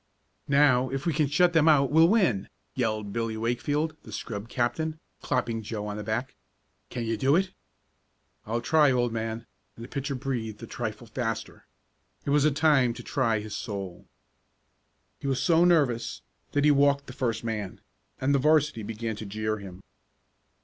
"Now if we can shut them out we'll win!" yelled Billy Wakefield, the scrub captain, clapping Joe on the back. "Can you do it?" "I'll try, old man," and the pitcher breathed a trifle faster. It was a time to try his soul. He was so nervous that he walked the first man, and the 'varsity began to jeer him.